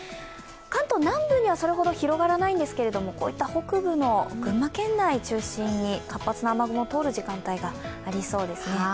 関東南部にはそれほど広がらないんですが、北部の群馬県内中心に活発な雨雲が通る時間帯がありそうですね。